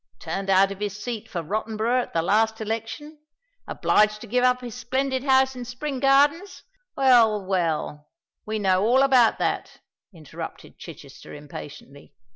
Turned out of his seat for Rottenborough at the last election—obliged to give up his splendid house in Spring Gardens——" "Well, well—we know all about that," interrupted Chichester, impatiently.